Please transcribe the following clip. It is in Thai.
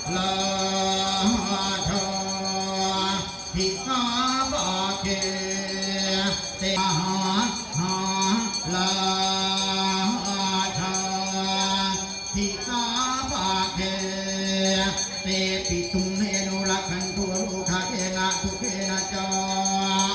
ลาชาสิงหาภาเคเตะหาลาชาสิงหาภาเคเตะปิตุเมนูรักทันตัวรู้ค่ะเองาศุเกณฑา